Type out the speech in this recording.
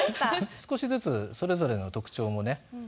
少しずつそれぞれの特徴もねありますよね。